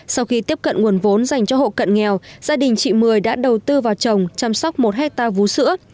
sau khi tiếp cận nguồn vốn dành cho hộ cận nghèo gia đình chị mười đã đầu tư vào trồng chăm sóc một hectare vũ sữa